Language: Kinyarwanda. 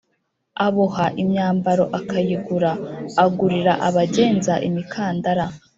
aboha imyambaro akayigura, agurira abagenza imikandara